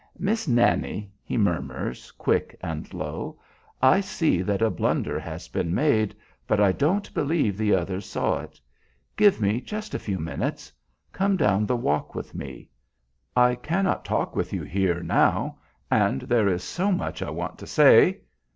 "Miss Nannie," he murmurs, quick and low, "I see that a blunder has been made, but I don't believe the others saw it. Give me just a few minutes. Come down the walk with me. I cannot talk with you here now, and there is so much I want to say."